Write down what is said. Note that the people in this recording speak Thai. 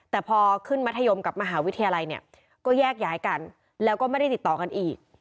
แต่พอขึ้นมัธยมกับมหาวิทยาลัยเนี่ยก็แยกย้ายกันแล้วก็ไม่ได้ติดต่อกันอีก